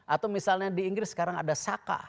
atau misalnya di inggris sekarang ada saka